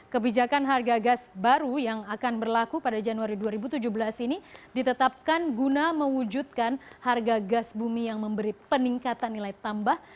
kebijakan harga gas baru yang akan berlaku pada januari dua ribu tujuh belas ini ditetapkan guna mewujudkan harga gas bumi yang memberi peningkatan nilai tambah